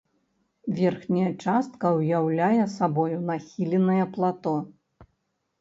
Верхняя частка ўяўляе сабою нахіленае плато.